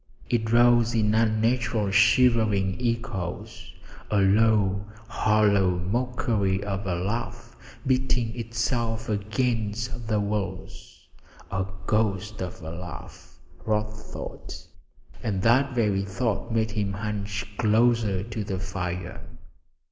It rose in unnatural shivering echoes a low, hollow mockery of a laugh beating itself against the walls; a ghost of a laugh, Rod thought, and that very thought made him hunch closer to the fire.